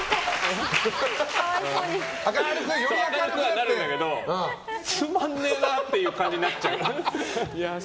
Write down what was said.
酔って明るくはなるんだけどつまんねえなっていう感じになっちゃう。